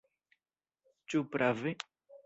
Ĉu prave?